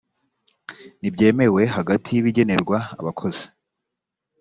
ntibyemewe hagati y ibigenerwa abakozi